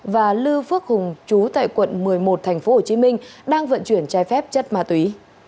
và lưu phước hùng chú tại quận một mươi một tp hcm đang vận chuyển trái phép chất ma túy